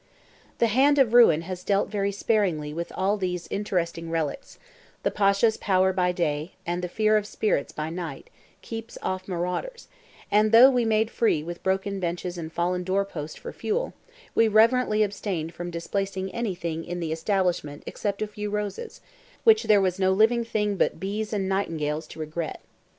The hand of ruin has dealt very sparingly with all these interesting relics; the Pasha's power by day, and the fear of spirits by night, keep off marauders; and though we made free with broken benches and fallen doorposts for fuel, we reverently abstained from displacing anything in the establishment except a few roses, which there was no living thing but bees and nightingales to regret.